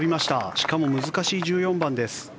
しかも、難しい１４番です。